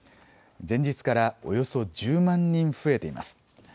前日からおよそ１０万人増えています。